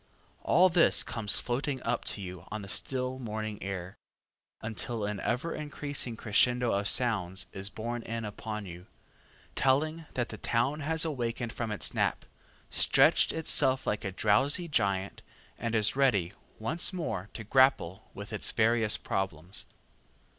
All this comes floating up to you on the still morning air, until an ever increasing crescendo of sounds is borne in upon you, telling that the town has awakened from its nap, stretched itself like a drowsy giant, and is ready once more to grapple with its various problems.